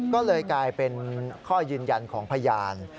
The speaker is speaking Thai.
ก็เลยกลายเป็นข้อยืนยันของพยาน